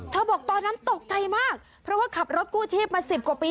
บอกตอนนั้นตกใจมากเพราะว่าขับรถกู้ชีพมาสิบกว่าปี